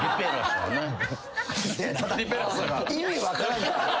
意味分からんから。